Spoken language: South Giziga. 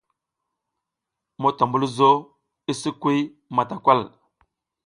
Motombulzo i sikwi matakay.